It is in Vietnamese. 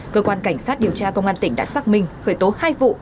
cơ quan cảnh sát điều tra công an tỉnh đã xác minh khởi tố hai vụ